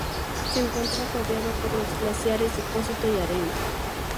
Se encuentra rodeado por los glaciares Depósito y Arena.